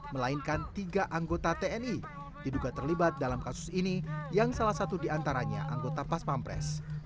melainkan tiga anggota tni diduga terlibat dalam kasus ini yang salah satu diantaranya anggota pas pampres